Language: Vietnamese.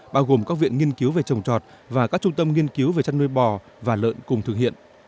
bao gồm các viện nghiên cứu về trồng trọt và các trung tâm nghiên cứu về chăn nuôi bò và lợn cùng thực hiện